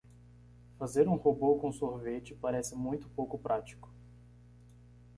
Fazer um robô com sorvete parece muito pouco prático.